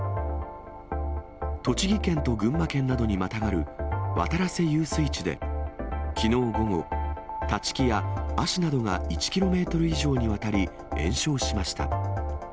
栃木県と群馬県などにまたがる渡良瀬遊水地で、きのう午後、立ち木やアシなどが１キロメートル以上にわたり延焼しました。